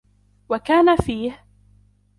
وَكَانَ فِيهِ